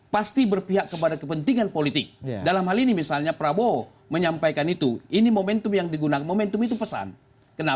pasti berpihak kepada kepentingan politik dalam hal ini misalnya prabowo menyampaikan itu ini momentum yang digunakan momentum itu pesan